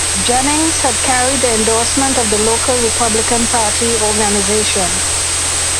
Jennings had carried the endorsement of the local Republican Party organization.